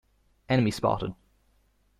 Enemy spotted!